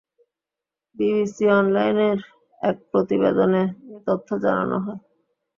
BBC অনলাইনের এক প্রতিবেদনে এ তথ্য জানানো হয়।